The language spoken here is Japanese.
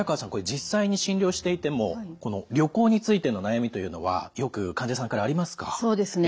実際に診療していても旅行についての悩みというのはよく患者さんからありますか？